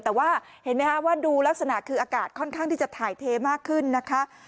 แต่ว่าเห็นไหมคะว่าดูลักษณะคืออากาศค่อนข้างที่จะถ่ายเทมากขึ้นนะคะ